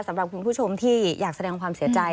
สำหรับคุณผู้ชมที่อยากแสดงความเสียใจ